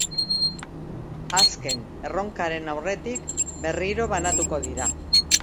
Azken erronkaren aurretik, berriro banatuko dira.